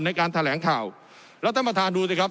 ในการแถลงข่าวแล้วท่านประธานดูสิครับ